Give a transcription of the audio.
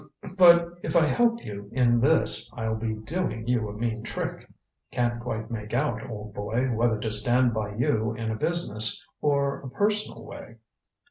"Um but if I help you in this I'll be doing you a mean trick. Can't quite make out, old boy, whether to stand by you in a business or a personal way."